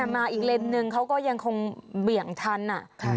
มาอีกเลนส์นึงเขาก็ยังคงเบี่ยงทัน